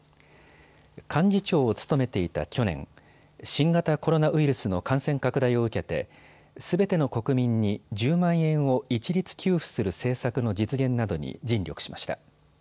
幹事長を務めていた去年、新型コロナウイルスの感染拡大を受けてすべての国民に１０万円を一律給付する政策の実現などに尽力しました。